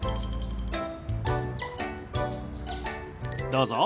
どうぞ。